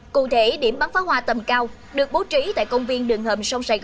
cụ thể điểm bắn phá hoa tầm cao được bố trí tại công viên đường hầm sông sài gòn